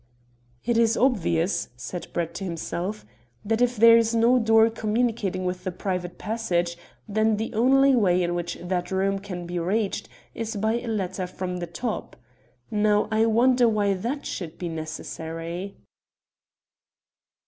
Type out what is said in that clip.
"It is obvious," said Brett to himself, "that if there is no door communicating with the private passage, then the only way in which that room can be reached is by a ladder from the top. Now I wonder why that should be necessary?"